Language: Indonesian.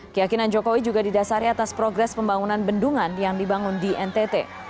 keyakinan jokowi juga didasari atas progres pembangunan bendungan yang dibangun di ntt